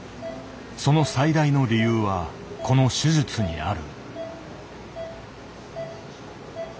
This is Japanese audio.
その最大の理由はこの手術にある。